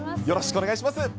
よろしくお願いします。